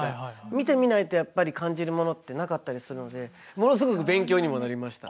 見てみないとやっぱり感じるものってなかったりするのでものすごく勉強にもなりました。